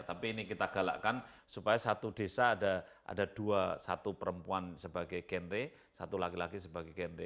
tapi ini kita galakkan supaya satu desa ada dua satu perempuan sebagai genre satu laki laki sebagai genre